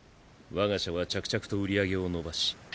我が社は着々と売り上げを伸ばし